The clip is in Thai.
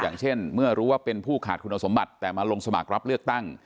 อย่างเช่นเมื่อรู้ว่าเป็นผู้ขาดคุณสมบัติแต่มาลงสมัครรับเลือกตั้ง